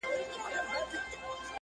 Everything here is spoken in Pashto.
چې پرته د کوم ملګري